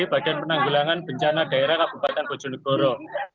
badan penanggulangan bencana daerah kabupaten bojonegoro